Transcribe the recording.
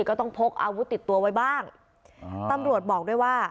ก็ต้องพกอาวุธติดตัวไว้บ้างตำรวจบอกด้วยว่า